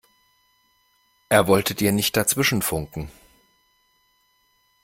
Er wollte dir nicht dazwischenfunken.